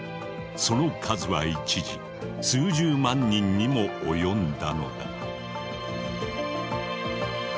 その数は一時数十万人にも及んだのだ。